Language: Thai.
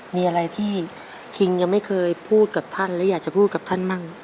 มีอะไรที่คิงยังไม่เคยพูดกับท่านและอยากจะพูดกับท่านมั่ง